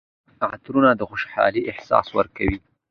عطرونه د خوشحالۍ احساس ورکوي.